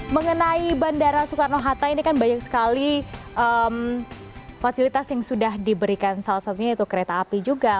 mengenai bandara soekarno hatta ini kan banyak sekali fasilitas yang sudah diberikan salah satunya yaitu kereta api juga